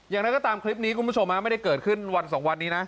อย่างไรก็ตามคลิปนี้คุณผู้ชมไม่ได้เกิดขึ้นวันสองวันนี้นะ